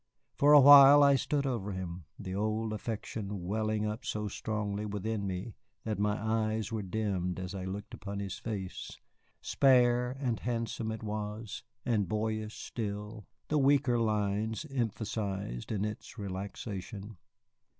For a while I stood over him, the old affection welling up so strongly within me that my eyes were dimmed as I looked upon his face. Spare and handsome it was, and boyish still, the weaker lines emphasized in its relaxation.